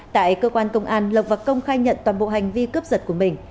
tại cơ quan công an lộc và công khai nhận toàn bộ hành vi cướp giật của mình